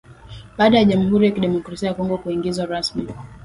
Baada ya Jamhuri ya Kidemokrasia ya Kongo kuingizwa rasmi